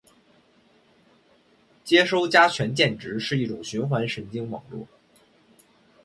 接收加权键值是一种循环神经网络